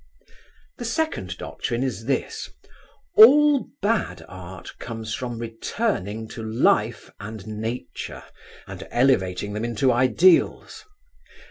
The second doctrine is this. All bad art comes from returning to Life and Nature, and elevating them into ideals.